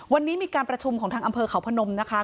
วันนี้มีการประชุมของทางอำเภอเขาพนมนะคะ